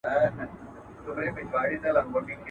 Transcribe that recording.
د تندې کرښو راوستلی یم د تور تر کلي!